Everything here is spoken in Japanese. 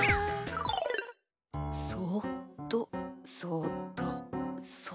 そっとそっとそ。